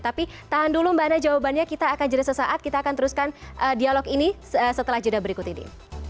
tapi tahan dulu mbak nana jawabannya kita akan jadi sesaat kita akan teruskan dialog ini setelah jeda berikut ini